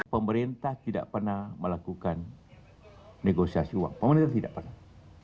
pemerintah tidak pernah melakukan negosiasi uang pemerintah tidak pernah